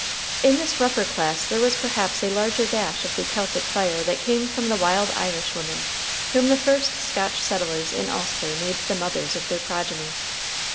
In this rougher class there was perhaps a larger dash of the Celtic fire that came from the wild Irish women whom the first Scotch settlers in Ulster made the mothers of their progeny.